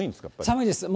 寒いです。